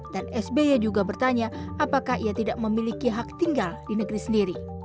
dan sby juga bertanya apakah ia tidak memiliki hak tinggal di negeri sendiri